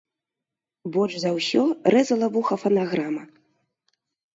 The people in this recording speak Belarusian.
Больш за ўсё рэзала вуха фанаграма.